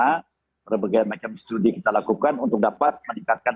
dan berbagai macam studi yang kita lakukan untuk dapat meningkatkan